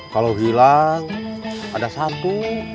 kalau hilang ada satu